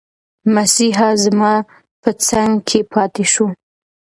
مسیحا زما په څنګ کې پاتي شو.